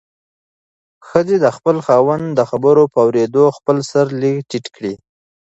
ښځې د خپل خاوند د خبرو په اورېدو خپل سر لږ ټیټ کړ.